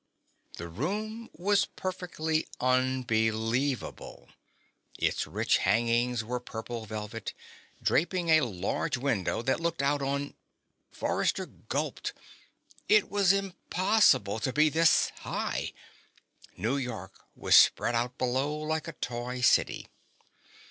The room was perfectly unbelievable. Its rich hangings were purple velvet, draping a large window that looked out on ... Forrester gulped. It was impossible to be this high. New York was spread out below like a toy city.